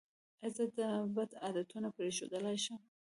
ایا زه دا بد عادتونه پریښودلی شم؟